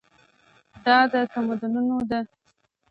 دا د تمدنونو ده.